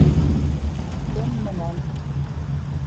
Кем менән?